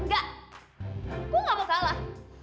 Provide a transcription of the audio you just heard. nggak gue nggak mau kalah